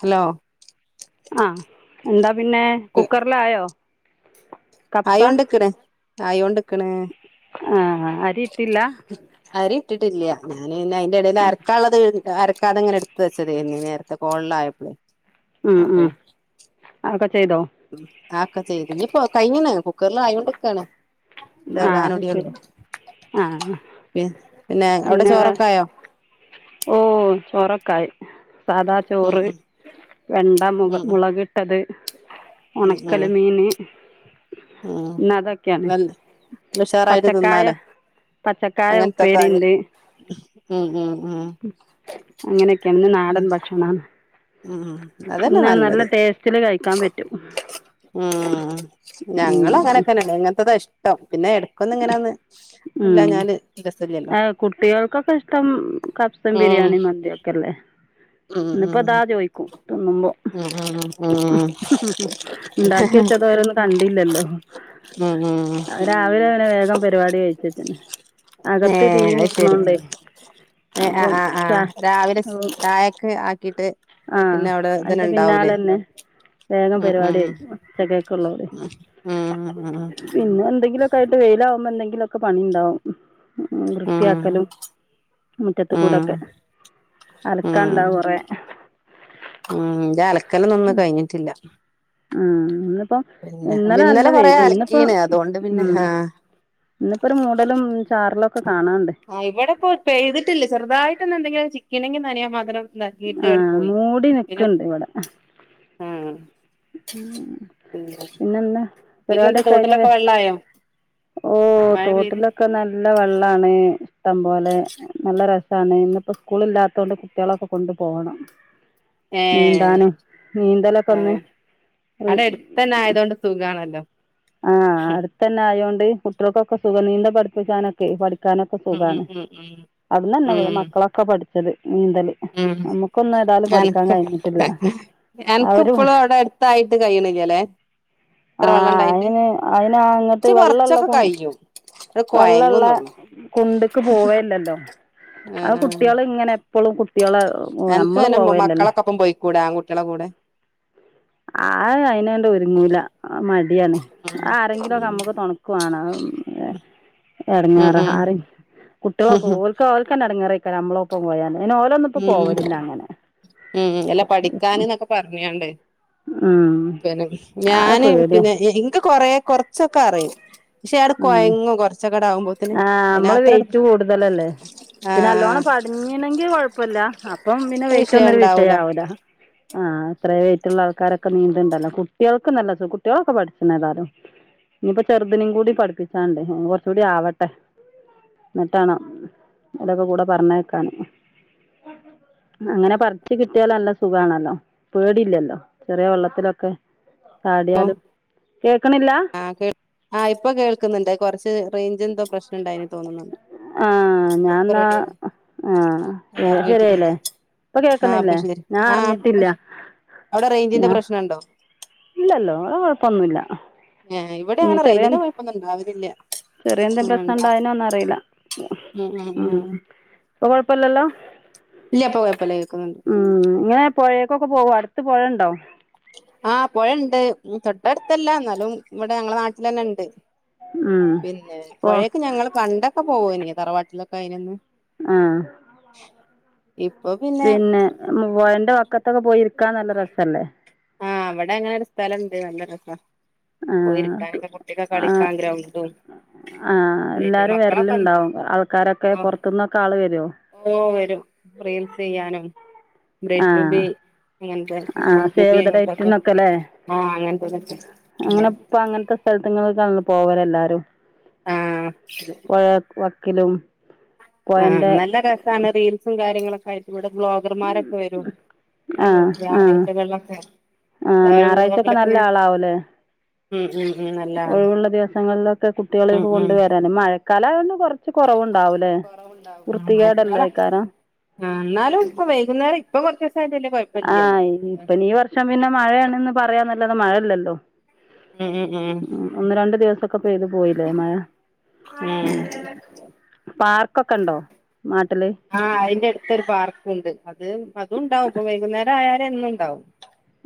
hello ആഹ് എന്താ പിന്നെ കുക്കറിലയോ ആയൊണ്ട്ക്ക്ണ് ആയോണ്ട് ണ് ആ അരി ഇട്ടില്ല ആര് ട്ടിട്ടില്ല ഞാന് പിന്നെ അയ്ന്റെ എടേൽ അരക്കാൻള്ളത് അരക്ക അതെങ്ങനെ എടുത്ത് വച്ചതായിനി നേരത്തെ കോളില് ആയപ്പളേ ഉം ഉം അതൊക്കെ ചെയ്തോ ആ ഒക്കെ ചെയ്ത് ഇപ്പൊ കൈഞ്ഞിന് കുക്കർൽ ആയൊണ്ടിക്കാണ് ആ ഇത്ഇടാനോടിള്ളൂ ശരി ആ പി പിന്നെ അവിടെ ചോറൊക്കെ ആയോ ഓ ചോറോക്കായി സാദാ ഉം ചോറ് വെണ്ട മുക ഉം ഉം മുളകിട്ടത് ഉണക്കല് മീന് ആഹ് വെന്ദ ഉഷാറായിട്ട് പച്ചക്കായ തിന്നാലോ പച്ചക്കായ അങ്ങനത്തൊക്കെ ആയല് ഉം ഉം അങ്ങനെയൊക്കെ ആണ് ഇന്ന് നാടൻ ഉം ഭക്ഷണം ആണ് ഉം അതന്നെ നല്ലത് കഴിക്കാൻ പറ്റും ഉം ഞങ്ങൾ അങ്ങനെക്കന്നാണ് ഇങ്ങനത്തെത ഇഷ്ടം പിന്നെ എടക്കൊന്ന് ഇങ്ങനൊന്ന് ഇല്ലഞാല് ഏ കുട്ടികൾക്കൊക്കെ ഇഷ്ടം കഫ്സേം ഉം ബിരിയാണിം മന്തിയൊക്കെല്ലേ ഉം ഇിന്നിപ്പോ അതാ ഉം ചോദിക്കും തിന്നുമ്പോ ഉം ഉം ഉണ്ടാക്കി വച്ചത് ഓരൊന്നും കണ്ടില്ലല്ലോ ഉം ഉം ഉം രാവിലന്നെ വേഗം പരിപാടി കഴിച്ചിട്ട് ഏ അത് ശരി ഏ ആ അപ്പം ആ ആ ച രാവിലെ ചായക്ക് ആക്കിട്ട് ആഹ് പിന്നെ അവിടെ ഇതന്നെ അതിന്റെ ഇണ്ടാവൂലേ പിന്നാലന്നെ വേഗം ഉം ഉം പരിപാടിയായി ഉച്ചക്കക്കൊ ഉം ഉം പിന്നെ എന്തെങ്കിലുംക്കെ ആയിട്ട് വെയില ലാകുമ്പ എന്തെങ്കിലും ഒക്കെ പണി ഇണ്ടാവും ഉം വൃത്തിയാക്കലും മുറ്റത്തെ ഉം കൂടെയോക്കെ അലക്കാൻ ഇണ്ടാവും മ്മ് ന്റെ അലക്കലന്നൊന്നും ഒന്നും കയിഞ്ഞിട്ടില്ല ആ ഇന്നിപ്പോ ഇന്നലെ നല്ല കൊറേ വെയിലായിരുന്ന് ഇന്നിപ്പോ അലക്കീണ് അതുകൊണ്ട് പിന്നെ ഉം ആഹ് ഇന്നിപ്പൊ ഒരു മൂടലും ചാറലൊ ആ് ഇവിടെപ്പോൊ പഴ്തിട്ടില്ല ചെറുതായിട്ടൊന്ന എന്തെങ്കിലും ചിക്കനെങ്കും നനിയ മാത്രം ഹീടെടെ ആഹ് പോയി മൂടി പിന്നെ നിക്ക്ണ്ട് ഇവിടെ ആ പിന്നെന്താ എന്തെന്താ തോട്ടിലൊക്കെ വെള്ളായോ ഓ മഴ പെയ്ത് തോട്ടിലൊക്കെ നല്ല വെള്ളാണ് ഇിട്ടം പോലെ നല്ല രസമാണ് ഇന്നിപ്പോ സ്കൂളല്ലാത്ത കൊണ്ട് കുട്ടികളൊക്കെ കൊണ്ടു പോോകണം ഏ നീന്താനും നീന്തലൊക്കെ ഏ ഒന്ന് അവിടെ അടുത്തന്നെ ആയത കൊണ്ട് സുഖമാണല്ലോ ആഹ് അടുത്ത തന്നെ ആയതോണ്ട് കുട്ടികൾക്കൊക്കെ സുഖ നീന്ത പടു ാനൊക്കെ പഠിക്കാനൊക്കെ ഉം ഉം സുഖമാണ് ഉം അത്ന്ന്ന്നെ മക്കളൊക്കെ പഠിച്ചത് നീന്തല് ഉ നമുക്കൊന്നും ഏതായാലും പഠിക്കാൻ എനക്ക് കഴിഞ്ഞിട്ടില്ല എനക്ക് അവര് ഇപ്പളും അവിടെ അടുത്തായി കല്ലേ ആ എത്ര വെള്ളംണ്ട അയിന് അയിന് അങ്ങട്ട് പ വെള്ളള്ള വറച്ചൊക്കെ കു കഴിയും അത് വെള്ളള്ള കൊയങ്ങുന്നുള്ളു കൊണ്ടക്ക് പോവല്ലല്ലോ ആ അത് ആ കുട്ടികൾ ഇങ്ങനെ എപ്പളും കുട്ട്യാളെ എനക്ക് നമ്മള് പിന്നെ പോവേല്ലല്ലോ മക്കളൊക്കെൊപ്പം പോയിക്കൂടെ ആ കുുട്ടികളെ കൂടെ ആ അയിനന്റെ ഒരുങ്ങൂല മടിയാണ് ഉം ആരെങ്കിലുംൊക്കെ നമ്മുക്ക് തുണുക്കുവണോ ഉം ഉം എടങ്ങാററി ഉം കുട്ടികളൊക്കെഓക്ക ഓൽക്കന്നെ ഇടങ്ങറക്ക നമ്മള ഒപ്പം പോയല്ല ഉം ഉം അല്ല പഠിക്കൻന്നൊക്കെ പറഞ്ഞാണ്ട് ഉം പിന്നെ അത് ഞാന് പേടിയാ പിന്നെ ഇനിക്ക് കൊറ കുറച്ചൊക്കെ അറും പക്ഷേ അട ഉം കോയങ്ങ കൊറച്ചൊക്കെട ആകുമ്പോത്തനെ ആ നമ്മള് അതിനന്ത്രട വെയിറ്റ് കൂടുതലല്ലേ പിന്നെ അല്ലോണം പഠഞ്ഞണെങ്കി കൊഴപ്പില്ല അപ്പം പിന്നെ വിഷയം വെയിറ്റ്ന്നരു ഉണ്ടാവൂല വിഷയവല ആഹ് അത്ര വേറ്റുള്ള ആൾക്കാരൊക്കെ നീണ്ടണ്ടല്ലോ കുട്ടികൾക്കും നല്ല കുട്ടികളൊക്കെ പഠിച്ചുന്ന ഏതാലും ഇനിയിപ്പ ചെറുദിനും കൂടി പഠിപ്പിച്ചാണ്ട് കുറച്ചുകൂടി ആവട്ടെ എന്നെറ്റാണോ ഇതൊക്കെ കൂടെ പറഞ്ഞേക്കാണ് അങ്ങനെ പറച്ച്ു കിട്ടിയാലല്ല സുഖമാണല്ലോ പേടില്ലല്ലോ ചെറിയ വെള്ളത്തിലൊക്കെ ചാടിയാലും കേൾക്കണില്ല ആഹ കേ ആ ഇപ്പൊ കേൾക്കുന്നുണ്ട് കുറച്ച് റേഞ്ച് എന്തോ പ്രശ്നം ണ്ടായിനി തോന്നുന്നുണ്ട് ആ ഇപ്പൊ ഞൻന്നാ റെഡി ആയി ആഹ ശരിയല്ലേ അറിഞ്ഞിട്ടില്ലല്ലേ ഇപ്പൊ ആഹ് അപ്പൊ കേക്കുന്നില്ലേ ശരി ഞാൻ ആഹ് അറിഞ്ഞിട്ടില്ല അവിടെ റേഞ്ചിന്റെ ഞാൻ പ്രശ്നംുണ്ടോ ഇല്ലല്ലോ കൊഴപ്പൊന്നുമല്ല ഏഹ് ഇവിടെ ഇനി അങ്ങനെ ചെറിയ റേഞ്ചിന്റെ കൊഴപ്പൊന്നും ഉണ്ടാവലില്ല ചെറിയ എന്തേും ആഹ് പ്രശ്നം ഇണ്ടാ ഇണ്ടായനോ ഒന്നും അറിയില്ല ഉം ഉം ഉ ഉം ഇപ്പൊ കൊഴപ്പല്ലല്ലോ ഇല്ല ഇപ്പൊ കൊഴപ്പല്ല കേക്കുന്നുണ്ട് ഉം ഇങ്ങനെ പുഴേക്കൊക്കെ പോകോ അടുത്ത പുഴുണ്ടോ ആഹ് പൊഴണ്ട് തൊട്ടടുത്തല്ല എന്നാലും ഇവിടെ ഞങ്ങളെ നാട്ടിൽ തന്നെ ഉണ്ട് ഉം പിന്നെ ഓ പുഴയക്ക് ഞങ്ങള്ൾ കണ്ടൊക്കെ പോവന തറവാട്ടിലൊക്കെ അയിൊന്ന് ആഹ പിന്നെ മന്റെ ക്കത്തൊക്കെ പോയിരിക്കാൻ നല്ല രസല്ലേ ആഹ് അവിടെ അങ്ങനെൊ ഒരു സ്ഥലംുണ്ട് നല്ല രസ ആഹ് പോയിക്കാക്ക കുട്ടിക്ക കളിക്കാങ്ക്ര വണ്ടും ആഹ എല്ലാരും വിരലണ്ടാവും ആൾക്കാരൊക്കെ ഓ പുൊറത്തുന്നൊക്കെ ആള് വരുവോ ഓ വരും റീൽസ് ചെയ്യാനും ആഹ് ബ്രെഡ് ൂബി അങ്ങനത്തെ ഗൂ ൂബി അങ്ങനത്തെ ക്കെല്ലേ അങ്ങനെപ്പ അങ്ങനത്തെ സ്ഥല നിങ്ങള പോവല എല്ലാരും ആഹ് പുഴ വക്കിലും ആഹ പൊഴന്റെ നല്ല രസമാണ് റീൽസും കാര്യങ്ങളൊക്കെ ആയിട്ട് ഇവിടെ ബ്ലോഗർമാരൊക്കെ വരും ഏ ആഹ് ആഹ് ഞായാറാഴച ആഹ് ഞായറാഴ്ചൊക്കെ വെള്ളൊക്കെഊണുമക്കലൊക്കെ നല്ല ആളാവൂലേ ഒഴിവുള്ള ദിവസങ്ങളിലൊക്കെ കുട്ടികളെ ഉം ഒക്കെ ഉം കൊണ്ടുവരാൻ മഴക്കാലമായോണ്ട് കൊറച്ച് കുറവുണ്ടാവലേ കൊറവുണ്ടാവും ആ മറ്റാള വൃത്തികേടെല്ല ആക്കാരം ആ എന്നാലും ഇപ്പ വൈകുന്നേരം ഇപ്പൊ കൊറച്ച് ദിവസായിട്ട് വല്യ കൊഴപ്പല്ല്യല്ലോ ആഹ് ഇനിപ്പ ഈ വർഷം പിന്നെ മഴയാണെന്ന് പറയാനല്ലാത മഴയില്ലല്ലോ ഉം ഉം ഉം ക്കെ പെയ്തു പോയില്ലേ മഴ ഉം ൊക്കെ ഉണ്ടോ നാട്ടില് ആഹ് അതിന്റെ അടുത്തരു പാർക്കുണ്ട് അത് അതും ഉണ്ടാവും ഇപ്പൊ വൈകുന്നേരം ആയാലും എന്നും ഉണ്ടാവും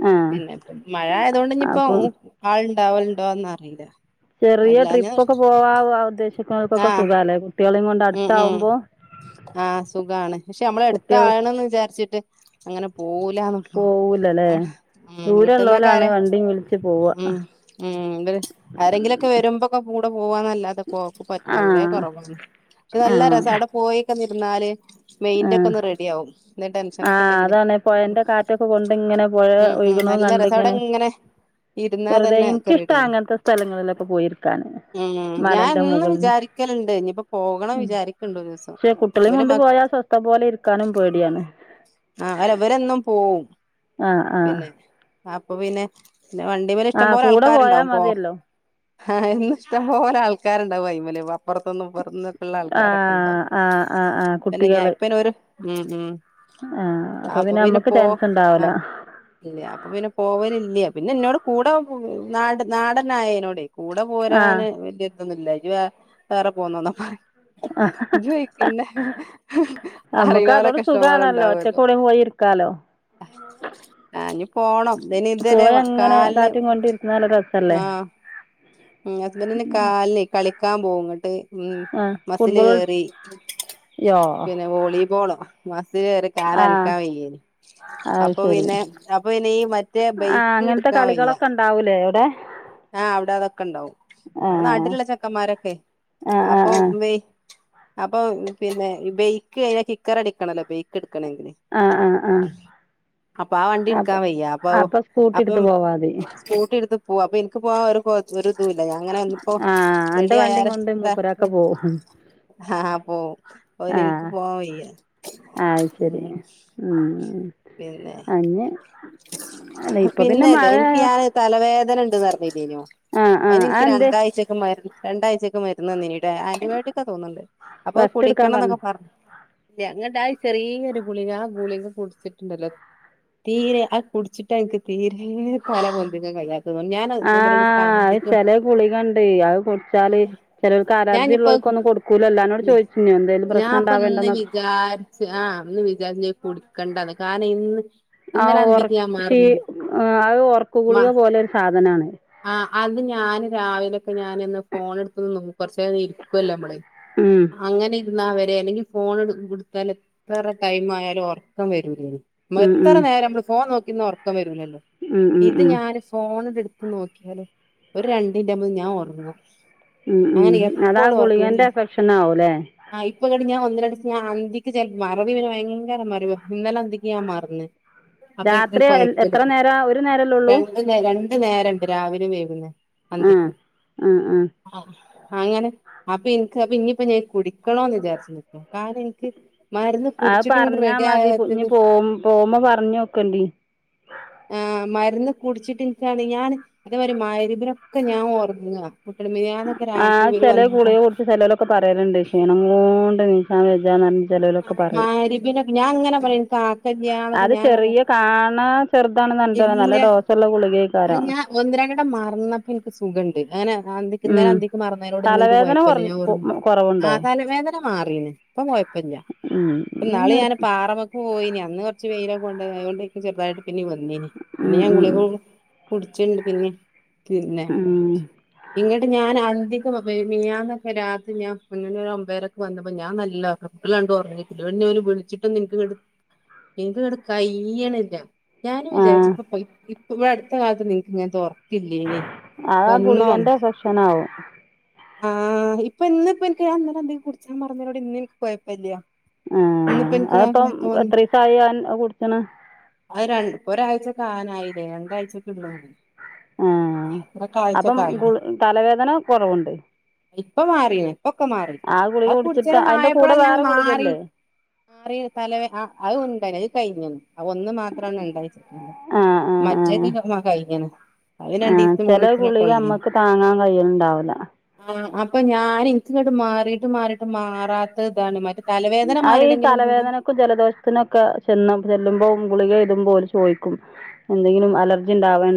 ആഹ് പിന്നെ ഇപ്പ മഴ ആയതൊണ്ട് ഇനിയിപ്പോ അപ്പം ആൾ ഉണ്ടാവലുണ്ടാന്ന് അറിയില്ല ചെറിയ അല്ലാഞ്ഞ ട്രിപ്പ് ഒക്കെ പോവാ ആ ഉദ്ദേശിക്കുന്നക്കൊക്കെ ആഹ് സുഖാണ് ഉം ഉം ആ സുഖാണ് പക്ഷെ നമ്മള് അടുത്ത കുട്ടികൾ ആകണംന്ന് വിചാരിച്ചിട്ട് അങ്ങനെ പോ പോവൂലല്ലേ ട്ടന്നൊക്ക ദൂരള്ളോലാണ് വണ്ടിയും വിളിച്ച് പോവാ ആരെങ്കിലും ഒക്കെ വരുമ്പോ ഒക്കെ കൂടെ പോവാന്നല്ലാതെ പോക്ക് വളരെ ആഹ് കുറവാണ് പക്ഷെ നല്ല ആഹ് രസം അവിടെ പോയിക്ക ഇരുന്നാല് മെയിൻ്റ് ഒക്കെ ആഹ് ഒന്ന് റെഡി ആവും എന്ത് ടെൻഷനൊക്കെ ആഹ് ഉണ്ടെങ്കില് അതാണ് പൊഴേന്റെ കാറ്റൊക്കെ കൊണ്ട് ഇങ്ങനെ പൊഴ ഉം ഉം ഒഴുകണതും നല്ല രസം അവിടെ കണ്ടിങ്ങനെ എങ്ങനെ ഇരുന്നാ വെറുതെ തന്നെ ഒക്കെ എനിക്കിഷ്ടാ റെഡിയാ അങ്ങനത്തെ സ്ഥലങ്ങളിലൊക്കെ പോയിരിക്കാന് ഉം ഞാൻ മലന്റെ എന്നും മുകളില് വിചാരിക്കും ക്കലുണ്ട് ഇനിപ്പോ പോകണം വിചാരിക്കണ്ട് ഒരു ദിവസം പക്ഷെ കുട്ടികളെയും കൊണ്ട് പോയാ സ്വസ്ഥ പോലെ ഇരിക്കാനും പേടിയാണ് അവര് അവരെന്നും പോവും ആഹ്ആഹ് പിന്നെ അപ്പൊ പിന്നെ പിന്നെ വണ്ടി മൽ ഇഷ്ടംപോലെ കൂടെ പോയാ ആൾക്കാരുണ്ടാവും പോ മതിയല്ലോ ഹ ഹ് ഇന്ന് ഇഷ്‌ടം പോലെ ആൾക്കാരുണ്ടാവും അതിൻമേല് അപ്പുറത്തുന്നും ഇപ്പുറത്ത് നിന്നും ള്ള ആൾക്കാരൊക്കെ ആഹ് ഉണ്ടാവും ആഹ് ആഹ് ആഹ് പിന്നെ ഞാ ഇപ്പനരു ഉം ഉം ആഹ അപ്പൊ പിന്നെ നമ്മുക്ക് ചാൻസ് ആ ഉണ്ടാവൂല ഇല്ല അപ്പൊ പിന്നെ പോവലില്ല പിന്നെ എന്നോട് കൂടെ നാട് നാടനായോട് കൂടെ ആഹ് പോരാന് വലിയ ഇതൊന്നുംല്ല ഇവ വേറെ പോന്നതാ ജോയിക്കന്ന അറിയാവുന്നലെ ഇഷ്ടം പോലെ ഇണ്ടാവല്ലോ ക്കാലോ ആ ആ ഇനി പോണം ഇനി ഇതുവരെ പോയി അങ്ങനെ കാലിന് കാറ്റും കൊണ്ട് ഇരിക്കുന്ന നല്ല രസല്ലേ ആ ഉം ഹസ്ബൻൻ്റിൻ്റെ കാലിലെ കളിക്കാൻ പോവും ഇങ്ങോട്ട് ആഹ് മസൽ ഫുട്ബോൾ കളിച്ച് കയറി യോ പിന്നെ വോളിബോളോ ഇതുവരെ കാല് ആഹ് അനക്കാൻ വയ്യാരുന്നു അത് അപ്പൊ ശരി പിന്നെ അപ്പൊ ഇനി മറ്റേ ആഹ് ബൈക്ക് അങ്ങനത്തെ എടുക്കാൻ വയ്യാ കളികളൊക്കെ ഉണ്ടാവൂലേ അവിടെ ആഹ് അവിടെ അതൊക്കെ ഉണ്ടാവും അടെ ആഹ് നാട്ടിലുള്ള ചെക്കന്മാരൊക്കെ ആഹ് ആഹ് അപ്പൊ അപ്പൊ പിന്നെ ബേക്ക് കഴിഞ്ഞാ കിക്കർ അടിക്കണല്ലോ ബേക്ക് എടുക്ക ആ ആ ആഹ് അപ്പൊ ആ വണ്ടി അപ്പൊ എടുക്കാൻ വയ്യാ അപ്പൊ സ്കൂട്ടി എടുത്ത് അപ്പം പോവാതി സ്‌കൂട്ടി എടുത്ത് പോവാ അപ്പൊ എനിക്ക് പോവാ ഒരു ഒരു ഇതുല്ലാ അങ്ങനെ ഒന്നിപ്പോ ആഹ് അന്റെ റെഡി വണ്ടിയും ആയാല് കൊണ്ട് മൂപ്പരാക്ക പോവും ആഹ പോവും ഓന് എനിക്ക് ആഹ് പോവാൻ വയ്യ അത് ഉം ശരി ഉം പിന്നെ അന്നെ പിന്നെല്ലേ എനിക്ക് ഞാന് തലവേദന ഉ [unintelligible] ആഹ് ആഹ് അതിന് എനിക്ക് അതെന്തേ രണ്ടാഴ്ചക്കു രണ്ടാഴ്ചക്കെ മരുന്ന് തന്നിനു ആന്റിബയോട്ടിക്ക തോന്നുന്നുണ്ട് അപ്പൊ റസ്റ്റ് എടുക്കാൻ കുടിക്കണംന്നൊക്കെ പറഞ്ഞു പറുല്ലങ്ങ ചെറിയൊരു ഗുളിക ആ ഗുളി കുടിച്ചിട്ടുണ്ടല്ലോ തീരെ ആ കുടിച്ചിട്ട് എനിക്ക് തീരെ തല പൊന്തിക്ക കഴിയ ഞൻ ആഹ് അത് മുലളതിക്കും ചെല ഗുളികണ്ട് അത് കുടിച്ചാല് ചിലർക്ക് അലർജി ഞാനിപ്പ ഉള്ളോർക്കൊന്നും കൊടുക്കൂലല്ലോ അന്നോട് ചോദിച്ചിനോ എന്തേലും ഞാൻ പ്രശ്നം അപ്പൊ ഇന്ന് ഉണ്ടാവേണ്ടന്നൊക്കെ വിചാരിച്ച് ആഹ് ഒന്ന് വിചാരിച്ചടി കണ്ടാ കാരണം ഇന്ന് ഇന്നെല അന്തിക്ക് ഞാൻ കൃഷീ മറന്ന് ആ അത് ഒറക്ക ഗുളിക പോലെ ഒരു സാധനാണ് ആ അത് ഞാന് രാവിലെ അപ്പോ ഞാനിന്ന് ഫോണെടുത്ത് നോ കുറച്ച് നേരം ഇരിക്കുവല്ലോ നമ്മള് ഉം അങ്ങനെ ഇരുന്നാ വരെ അല്ലെങ്കിൽ ഫോൺ കൊടുത്താല് വേറെ ടൈം ആയാലും ഉറക്കം വരൂലന് നമ്മള് ഉം എത്ര ഉം നേരം നമ്മള് ഫോൺ നോക്കിയിരുന്നാ ഉറക്കം വരൂലല്ലോ ഉം ഉം ഇത് ഉം ഞാന് ഫോണ് എടുത്ത് നോക്കിയാലോ ഒരു രണ്ട് മിനിറ്റ് ആകുമ്പോഴേക്ക് ഞാൻ ഉറങ്ങുവാ ഉം ഉം അങ്ങനെ അതാ എപ്പോഴും ഉറക്കം നീ ഗുളികേൻ്റെ എഫെക്ഷൻ ആവും അല്ലേ ആ ഇപ്പൊ ഞാൻ ഒന്നിലടി ഞാൻ അന്തിക്ക് ചെ മറവി ഒരു ഭയങ്കര മറവിയാ ഇന്നലെ അന്തിക്ക് ഞാൻ മറന്ന് ഇപ്പോ പിന്നെ രാത്രി കുഴപ്പവില്ല എത്ര നേരം ഒരു നേരമല്ലേ ഉള്ളൂ രണ്ട് നേര രണ്ട് നേരമുണ്ട് രാവിലെയും വൈകുന്നേരവും ആഹ് ആഹ് ആഹ് അങ്ങനെ അപ്പൊ എനിക്ക് അപ്പൊ ഇനിയിപ്പോ ഞാൻ കുടിക്കണോന്ന് വിചാരിച്ച് നിക്കുവാ കാരണം എനിക്ക് മരുന്ന് അത് കുടിച്ചിട്ടും ഇങ്ങട് പറഞ്ഞാ റെഡി മതി ഇനി ആകാത്തത് പോ പോവുമ്പോ പറഞ്ഞ് നോക്ക് എങ്കില് ആ മരുന്ന് കുടിച്ചിട്ട് എനിക്കാണ് ഞാൻ അതേമാതിരി മരുന്നിലൊക്കെ ഞാൻ ഒർങ്ങുക ആ ചെല ഗുളിക കുടിച്ച് ചെലലൊക്കെ പറയയുന്നുണ്ട് ക്ഷീണം കൊണ്ട് എണീക്കാൻ കഴിയില്ലന്ന് പറ - ചെലവലൊക്കെ പറയും മഗ്‌രിബിനൊക്കെ ഞാൻ അങ്ങനെ പറയും എനിക്ക് ആ കല്യാണൊക്കെ അത് ഞാൻ ചെറിയ കാണാൻ- ചെറുതാണ് എന്തുവാ നല്ല ഇല്ല ഡോസ് ഉള്ള ഗുളികയാ അത് ഞാൻ ഒന്ന് രണ്ട് എണ്ണം മറന്നപ്പോ എനിക്ക് സുഖം ഉണ്ട് ഇന്നലെ ഉം അന്തിക്ക് മറന്നവരോട് ഇന്ന് നിങ്ങക്ക് തലവേദന കൊഴപ്പമില്ല ഞാൻ ഓർമ്മി കൊറഞ്ഞ് - ആ കൊറവുണ്ടോ തലവേദന മാറി പിന്നെ ഇപ്പം കൊയപ്പില്ലാ ഉം ഇന്നാളി നിർ ഞാൻ പാറമക്ക് പോയിനി അന്ന് പ - കുറച്ച് വെയിലൊക്കെ കൊണ്ടായിരുന്നു അതുകൊണ്ടാ ഇപ്പ ചെറുതായിട്ട് പനി വന്നീനെ പിന്നെ ഉം ഞാൻ ഉം ഗുളിക- കുടിച്ചിണ്ട് പിന്നെ പിന്നെ ഉം ഇങ്ങോട്ട് ഞാൻ അന്തി - മിനിഞ്ഞാന്നൊക്ക രാത്രി ഞാൻ മുന്നെ ഒരു ഒമ്പേരൊക്കെ വന്നപ്പോ ഞാൻ നല്ല [unintelligible] കണ്ടണ്ട് ഉറഞ്ഞി വിളിച്ചിട്ടും നിനക്ക് ഇങ്ങട് നിങ്ങക്ക് അങ്ങട് കയ്യണില്ല ഞാനും വിചാരിച്ചു ആഹ് ഇപ്പ പോയി ഇപ്പ ഇവിടെ അടുത്ത കാലത്ത് നിങ്ങക്ക് ഇങ്ങനത്തെ ഓർമ ത്തില്ലെഞ്ഞേ അത് ആ വന്നോ ഗുളികന്റെ എഫക്ഷനാവും ആഹ് ഇപ്പൊ ഇന്ന് ഇപ്പഴത്തെയാ ഇന്നലെ നീ കുടിച്ചാൻ പറഞ്ഞോനോട് ഇന്ന് നിനക്ക് കൊഴപ്പവില്ലിയോ ആ അതപ്പം എത്ര ദിവസമായി അവൻ കുടിച്ചണ് അത് ര ഒരാഴ്ച ഒക്കെ ആകാനായില്ലേ രണ്ടാഴ്ചക്ക് ഉള്ള അയ് - ആ അപ്പം തലവേദന കൊറവുണ്ട് ഇപ്പം മാറിയെ ഇപ്പൊക്കെ മാറി ആ ഗുളിക അത് കുടിച്ചിട്ട് കുടിച്ചനും അതിന്റെ കൂടെ മായപ്പോഴാ ഞാൻ വേറെ മാറി ഗുളികല്ലേ മാറി തലേവെ അത് ഉണ്ടായിനെ അത് കഴിഞ്ഞു അത് ഒന്നു മാത്രമാണ് ഉണ്ടായിച്ചിട്ടത് ആഹ് ആഹ് ആഹ് മറ്റേക്കെ ആ കഴിഞ്ഞാണ് അന് രണ്ടു ദിവസ മൂന്ന് ദിവസ [unintelligible] കൊള്ളി തയ്യൽ ഉണ്ടാവില്ല ആ അപ്പൊ ഞാൻ എനിച്ച് ഇങ്ങോട്ട് മാറിട്ടും മാറിട്ടും മാറാത്ത ഇതാണ് മരു - ആ ഈ തലവേദനക്കും ജലദോഷത്തിനൊക്കെ ചെന്ന് ചെല്ലുമ്പോ ഗുളിക തരുമ്പോ ഓല് ചോദിക്കും എന്തെങ്കിലും അലർജി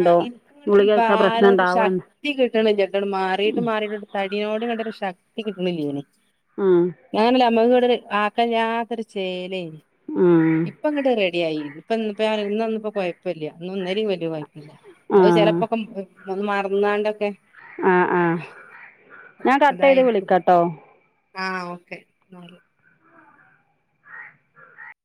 ആഹ് ഇൻക്ക്ങ്ങട്ടാെര് ഗുളിക കഴിച്ചാ ഭാര പ്രശ്നം ഒര് ഉണ്ടാവ ശക്തി കിട്ട്ണില്ല്യട്ടൊട് മാറീട്ടും മാറീട്ടുംണ്ട് തടിനോട് [unintelligible] ന്ഷ ക്തി കിട്ട്ണില്ലേനി ആഹ് ഞാനല്ല അമ്മക്ക്ങ്ങട്ടൊര് ആക്കല്ലാത്തൊര് ചേലേ ആഹ് ഇപ്പങ്ങട്ട് റെഡ്യായി ഇപ്പന്ന് ഇപ്പ ഞാ ഇന്നാെന്നുംപ്പം കൊയ്പ്പല്ല്യാ ഇന്നും ഇന്നലിം വല്യ കൊയ് പ്പല്ല അത് ആഹ് ചെലപ്പാെക്കെ [unintelligible] മറ്ന്നാണ്ടൊക്കെ ആഹ് ആഹ് ഞാൻ കട്ടെയ്ത് വിളിക്കട്ടോ ആഹ് ഓക്കെ ന്നാല്